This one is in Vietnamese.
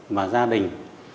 và gia đình